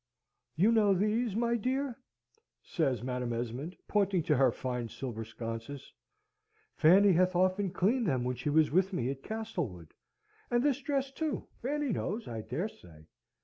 "You know these, my dear?" says Madam Esmond, pointing to her fine silver sconces. "Fanny hath often cleaned them when she was with me at Castlewood. And this dress, too, Fanny knows, I dare say?